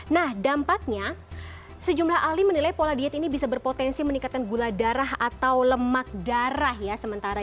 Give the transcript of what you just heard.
nah dampaknya sejumlah ahli menilai pola diet ini bisa berpotensi meningkatkan gula darah atau lemak darah ya sementara